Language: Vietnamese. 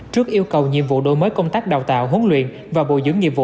trước yêu cầu nhiệm vụ đổi mới công tác đào tạo huấn luyện và bồi dưỡng nghiệp vụ